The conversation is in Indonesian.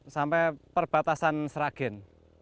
sampai perbatasan seragen